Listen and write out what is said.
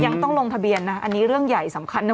ยังต้องลงทะเบียนนะอันนี้เรื่องใหญ่สำคัญนะ